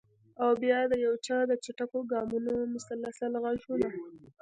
او بیا د یو چا د چټکو ګامونو مسلسل غږونه!